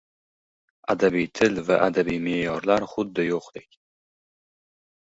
Adabiy til va adabiy me’yorlar xuddi yo‘qdek.